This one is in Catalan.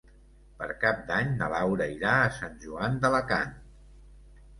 Per Cap d'Any na Laura irà a Sant Joan d'Alacant.